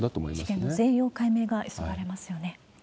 事件の全容解明が急がれますよね。